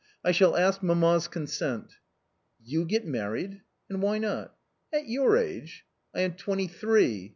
I shall ask mamma's consent." " You get married !"" And why not ?" "At your age?" " I am twenty three."